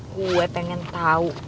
gue pengen tau